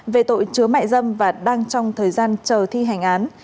về tội chứa mại dâm và đang trong thời gian chờ thi hành án